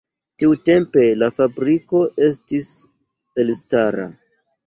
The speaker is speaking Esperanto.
Tiutempe la fabriko estis elstara.